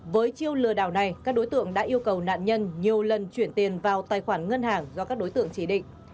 với chiêu lừa đảo này các đối tượng đã yêu cầu nạn nhân nhiều lần chuyển tiền vào tài khoản ngân hàng do các đối tượng chỉ định